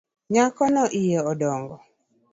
Nyakono iye odongo?